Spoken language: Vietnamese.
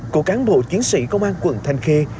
của cán bộ chiến sĩ công an quận thanh khê